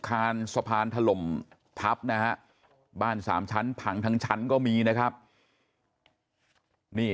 คานสะพานถล่มทับนะฮะบ้านสามชั้นผังทั้งชั้นก็มีนะครับนี่